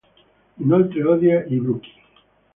Inoltre odia i bruchi.